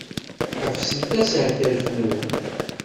Ḥebset ashetref-nwen!